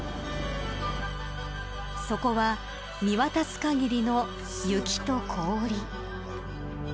そこは見渡す限りの雪と氷。